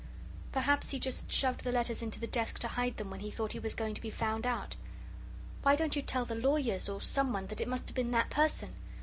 "Perhaps he just shoved the letters into the desk to hide them when he thought he was going to be found out. Why don't you tell the lawyers, or someone, that it must have been that person?